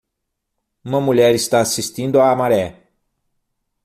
Uma mulher está assistindo a maré